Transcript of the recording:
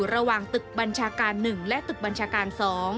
ระหว่างตึกบัญชาการ๑และตึกบัญชาการ๒